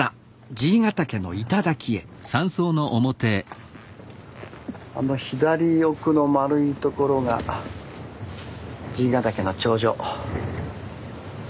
爺ヶ岳の頂へあの左奥の丸い所が爺ヶ岳の頂上。